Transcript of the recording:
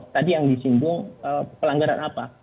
tadi yang disinggung pelanggaran apa